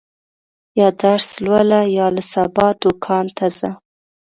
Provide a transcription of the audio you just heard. یا درس لوله، یا له سبا دوکان ته ځه.